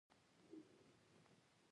د یوه لا هم زړه نه راباندې سوزي